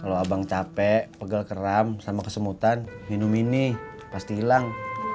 kalau abang capek pegel keram sama kesemutan minum ini pasti hilang